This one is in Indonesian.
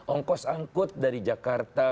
ongkos angkut dari jakarta